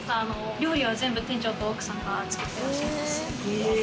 料理は全部、店長と奥さんが作ってます。